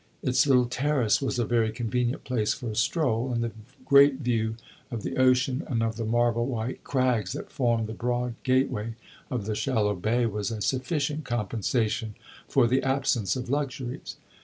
Its little terrace was a very convenient place for a stroll, and the great view of the ocean and of the marble white crags that formed the broad gate way of the shallow bay, was a sufficient compensation for the absence of luxuries.